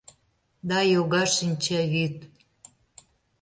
Да йога шинчавÿд